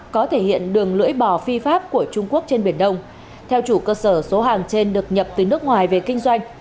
có thể hiện đường lưỡi bò phi pháp của trung quốc trên biển đông theo chủ cơ sở số hàng trên được nhập từ nước ngoài về kinh doanh